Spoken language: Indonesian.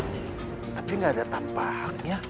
tapi nggak ada tampaknya